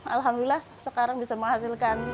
alhamdulillah sekarang bisa menghasilkan